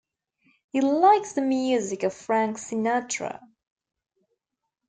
He likes the music of Frank Sinatra.